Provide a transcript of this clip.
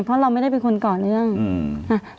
เพราะเราไม่ได้เป็นคนก่อเรื่องอืม